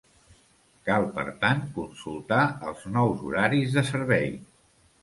Cal, per tant, consultar els nous horaris de servei.